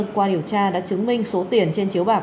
qua điều tra đã chứng minh số tiền trên chiếu bạc